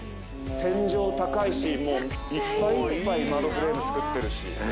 天井高いし、もういっぱいいっぱい窓フレーム作ってるし。